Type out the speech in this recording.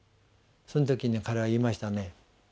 その時に彼は言いましたね。